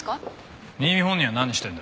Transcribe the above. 新見本人は何してるんだ？